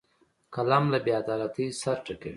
قلم له بیعدالتۍ سر ټکوي